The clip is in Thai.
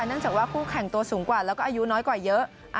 เนื่องจากว่าคู่แข่งตัวสูงกว่าแล้วก็อายุน้อยกว่าเยอะ